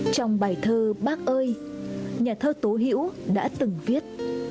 trong bài thơ bác ơi nhà thơ tố hữu đã từng viết